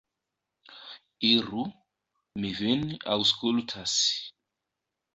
Iru; mi vin aŭskultas.